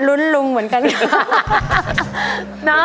รุ้นลุงเหมือนกันค่ะ